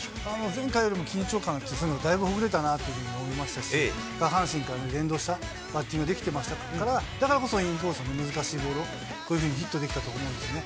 前回よりも緊張感があって、だいぶほぐれたなというふうに思いましたし、下半身から連動したバッティングできてましたから、だからこそインコースの難しいボールをこういうふうにヒットできたと思うんですよね。